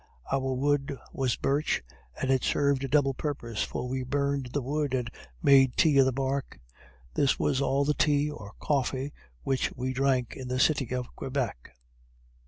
Our wood was birch, and it served a double purpose; for we burned the wood, and made tea of the bark this was all the tea or coffee which we drank in the city of Quebec.